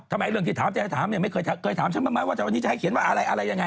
นายกถามว่าหรือมั้ยว่านี้จะให้เขียนว่าอะไรอะไรยังไง